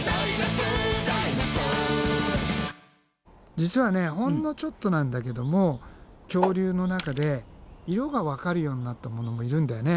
実はほんのちょっとなんだけども恐竜の中で色がわかるようになったものもいるんだよね。